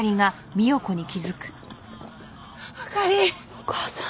お母さん。